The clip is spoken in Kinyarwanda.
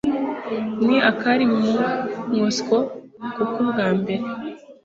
Ni akari Mu Moscou Kuko ubwa mbere